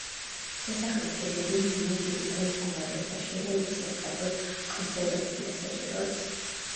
სასახლის კედლები მძიმე ფიზიკურ მდგომარეობაშია და იგი სასწრაფო კონსერვაციას საჭიროებს.